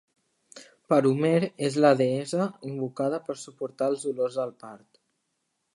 Per Homer és la deessa invocada per suportar els dolors del part.